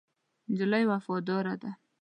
نجلۍ وفاداره ده.